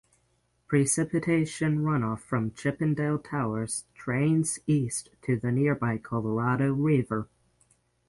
Precipitation runoff from Chip and Dale Towers drains east to the nearby Colorado River.